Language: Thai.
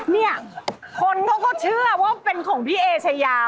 เนี่ยคนเขาก็เชื่อว่าเป็นของพี่เอชายา